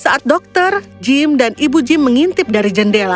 ketika dokter jim dan ibunya mengintip daripada jendela